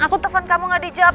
aku telfon kamu nggak dijawab